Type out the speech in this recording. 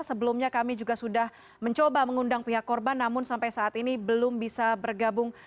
sebelumnya kami juga sudah mencoba mengundang pihak korban namun sampai saat ini belum bisa bergabung